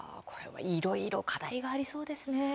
いろいろ課題がありそうですね。